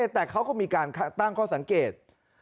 แต่เขาก็มีการตั้งข้อสังเกต